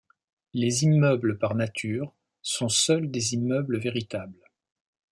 Les immeubles par nature sont seuls des immeubles véritables.